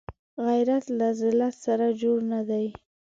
غیرت له ذلت سره جوړ نه دی